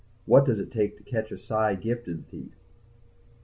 what does it take to catch a psi gifted thief?